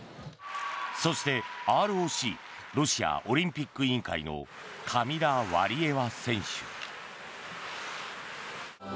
そしてＲＯＣ・ロシアオリンピック委員会のカミラ・ワリエワ選手。